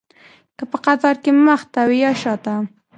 که په قطار کې مخته وي یا شاته.